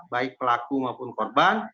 baik pelaku maupun korban